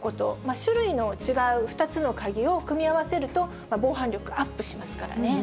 種類の違う２つの鍵を組み合わせると、防犯力アップしますからね。